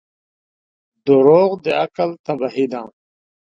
• دروغ د عقل تباهي ده.